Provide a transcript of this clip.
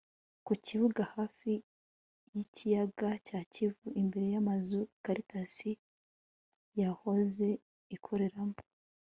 ku kibuga hafi y'ikiyaga cya kivu imbere y'amazu caritas yahoze ikoreramo